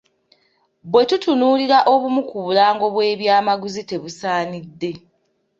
"Bwe tutunuulira obumu ku bulango bw'ebyamaguzi, tebusaanidde."